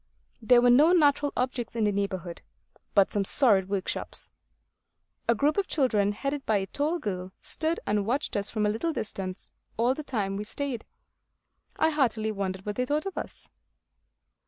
There were no natural objects in the neighbourhood, but some sordid workshops. A group of children headed by a tall girl stood and watched us from a little distance all the time we stayed. I heartily wonder what they thought of us.